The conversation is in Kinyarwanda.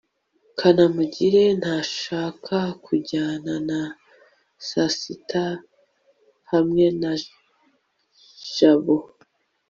kanamugire ntashaka kujyana na sasita hamwe na jabo